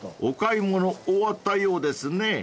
［お買い物終わったようですね］